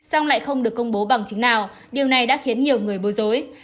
xong lại không được công bố bằng chứng nào điều này đã khiến nhiều người bối rối